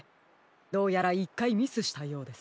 どうやら１かいミスしたようです。